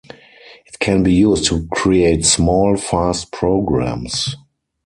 It can be used to create small, fast programs.